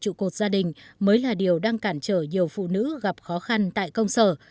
đàn ông là trụ cột gia đình mới là điều đang cản trở nhiều phụ nữ gặp khó khăn tại công sở